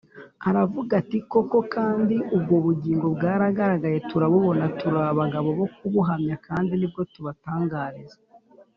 aravuga ati: “koko kandi ubwo bugingo bwaragaragaye turabubona, turi abagabo bo kubuhamya kandi nibwo tubatangariza